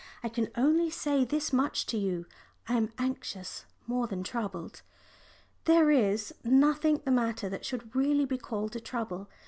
I can only say this much to you, I am anxious more than troubled. There is nothing the matter that should really be called a trouble.